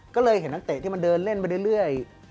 ก็เลยเห็นนักเตะที่มันเดินเล่นไปเรื่อย